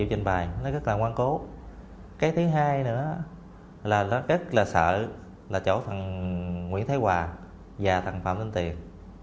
rất là sợ là chỗ thằng nguyễn thái hòa và thằng phạm thanh tiền